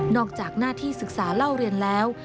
จากหน้าที่ศึกษาเล่าเรียนแล้ว